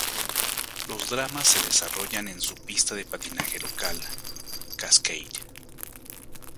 Los dramas se desarrollan en su pista de patinaje local, Cascade.